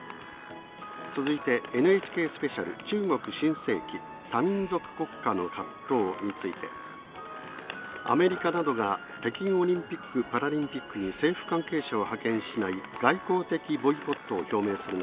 続いてＮＨＫスペシャル中国新世紀「“多民族国家”の葛藤」について「アメリカなどが北京オリンピックパラリンピックに政府関係者を派遣しない外交的ボイコットを表明する中